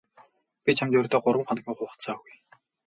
Би чамд ердөө гурав хоногийн хугацаа өгье.